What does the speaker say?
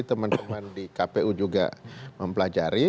teman teman di kpu juga mempelajari